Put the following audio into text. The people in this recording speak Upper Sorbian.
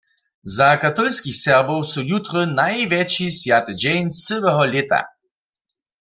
Za katolskich Serbow su jutry najwjetši swjaty dźeń cyłeho lěta.